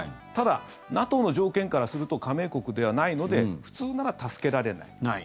ただ、ＮＡＴＯの条件からすると加盟国ではないので普通なら助けられない。